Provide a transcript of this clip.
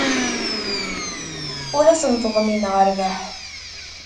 Ur asent-ḍmineɣ rrbeḥ.